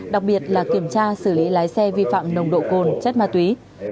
đặc biệt là kiểm tra xử lý lái xe vi phạm nồng độ cồn chất ma túy